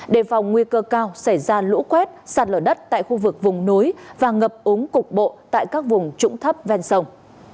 đề phòng nguy cơ cao xảy ra lũ quét sạt lở đất tại khu vực vùng núi và ngập úng cục bộ tại các vùng trũng thấp ven sông